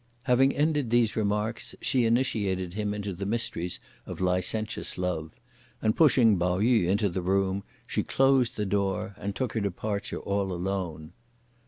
Having ended these remarks, she initiated him into the mysteries of licentious love, and, pushing Pao yü into the room, she closed the door, and took her departure all alone.